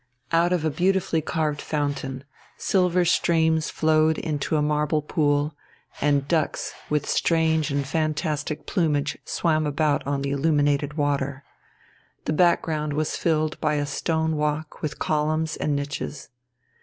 Out of a beautifully carved fountain, silver streams flowed into a marble pool, and ducks with strange and fantastic plumage swam about on the illuminated water. The background was filled by a stone walk with columns and niches.